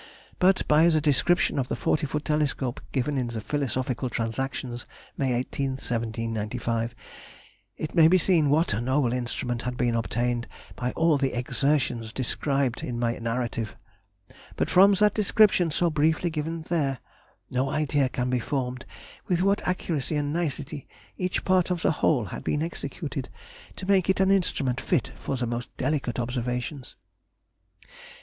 But, by the description of the forty foot telescope given in the Philosophical Transactions, May 18, 1795, it may be seen what a noble instrument had been obtained by all the exertions described in my narrative; but from that description so briefly given there, no idea can be formed with what accuracy and nicety each part of the whole had been executed to make it an instrument fit for the most delicate observations.